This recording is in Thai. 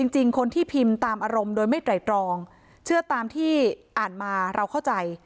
จริงคนที่พิมพ์ตามอารมณ์โดยไม่ไตรตรองเชื่อตามที่อ่านมาเราเข้าใจ